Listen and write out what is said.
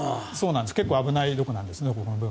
結構危ないところなんですね。